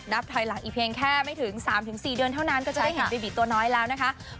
ถอยหลังอีกเพียงแค่ไม่ถึง๓๔เดือนเท่านั้นก็จะได้เห็นบีบิตัวน้อยแล้วนะคะ